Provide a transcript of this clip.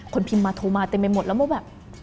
พิมพ์มาโทรมาเต็มไปหมดแล้วว่าแบบ